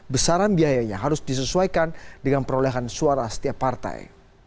besaran biayanya harus disesuaikan dengan perolehan suara setiap partai